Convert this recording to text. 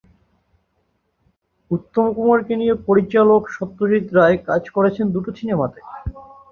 উত্তম কুমারকে নিয়ে পরিচালক সত্যজিৎ রায় কাজ করেছেন দুটো সিনেমাতে।